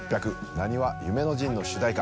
なにわ夢の陣」の主題歌